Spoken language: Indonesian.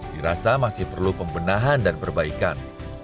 dirasa masih perlu pembenahan dan perbaikan